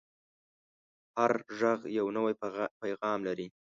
هر غږ یو نوی پیغام لري